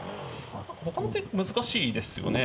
ほかの手難しいですよね？